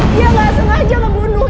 dia gak sengaja membunuh